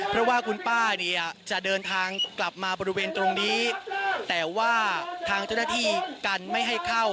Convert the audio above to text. เพราะว่าคุณป้าเนี่ยจะเดินทางกลับมาบริเวณตรงนี้แต่ว่าทางเจ้าหน้าที่กันไม่ให้เข้า